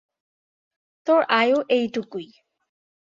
তোর আয়ু এতোটুকুই।